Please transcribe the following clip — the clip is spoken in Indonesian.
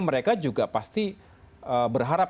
mereka juga pasti berharap